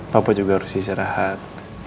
papa juga harus istirahat